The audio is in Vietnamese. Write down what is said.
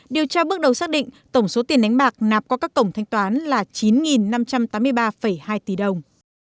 điều tra bước đầu xác định tổng số tiền đánh bạc nạp qua các cổng thanh toán là chín năm trăm tám mươi ba hai tỷ đồng